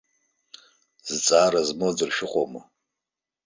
Зҵаара змоу аӡәыр шәыҟоума?